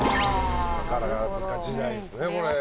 宝塚時代ですね。